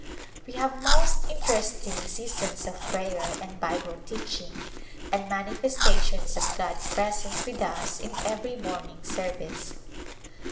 We have most interesting seasons of prayer and Bible teaching, and manifestations of God's presence with us in every morning service.